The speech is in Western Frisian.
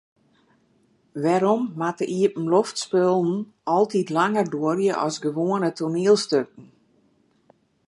Wêrom moatte iepenloftspullen altyd langer duorje as gewoane toanielstikken?